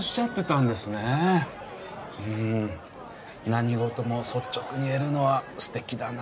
何事も率直に言えるのは素敵だな。